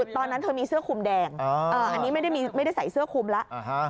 ตอนนั้นเธอมีเสื้อคุมแดงอันนี้ไม่ได้ใส่เสื้อคุมแล้ว